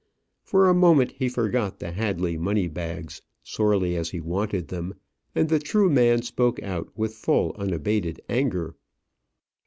For a moment he forgot the Hadley money bags, sorely as he wanted them, and the true man spoke out with full, unabated anger.